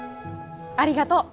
ありがとう！